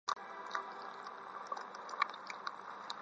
南京朝天宫冶山原有卞壸祠墓。